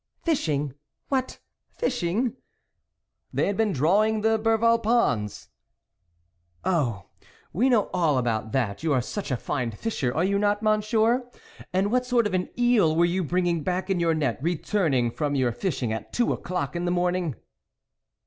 " Fishing ! what fishing ?" "They had been drawing the Berval ponds." " Oh ! we know all about that ; you are such a fine fisher, are you not, Monsieur? And what sort of an eel were you bring ing back in your net, returning from your fishing at two o'clock in the morning